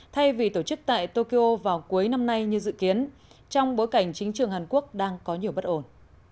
thay vì tổ chức tại tokyo vào cuối năm nay như dự kiến trong bối cảnh chính trường hàn quốc đang có nhiều bất ổn